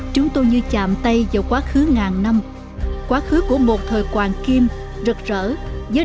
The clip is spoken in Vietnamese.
chúng tôi như chạm tay vào quá khứ ngàn năm quá khứ của một thời hoàng kim rực rỡ